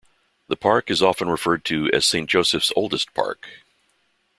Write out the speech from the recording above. The park is often referred to as Saint Joseph's oldest park.